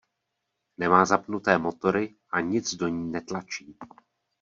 Nemá zapnuté motory a nic do ní netlačí.